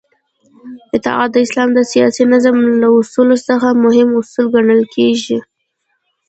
اطاعت د اسلام د سیاسی نظام له اصولو څخه مهم اصل ګڼل کیږی